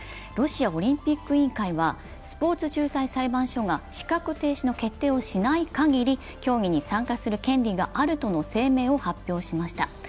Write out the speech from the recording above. ロシアオリンピック委員会はスポーツ仲裁裁判所が資格停止の決定をしない限り、競技に参加する権利があるとの声明を発表しました。